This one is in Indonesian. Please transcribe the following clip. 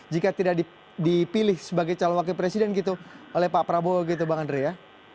jika tidak dipilih sebagai calon wakil presiden gitu oleh pak prabowo gitu bang andre ya